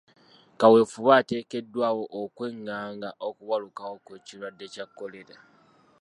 Kaweefube ateekeddwawo okwengaanga okubalukawo kw'ekirwadde kya Kolera.